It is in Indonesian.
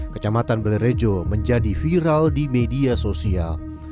kecamatan belerejo menjadi viral di media sosial